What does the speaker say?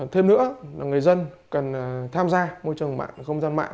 thêm nữa là người dân cần tham gia môi trường mạng không gian mạng